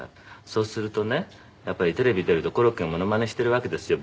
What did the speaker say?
そうするとねやっぱりテレビ見てるとコロッケがモノマネしてるわけですよ